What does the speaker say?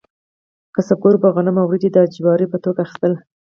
کسبګرو به غنم او وریجې د اجورې په توګه اخیستل.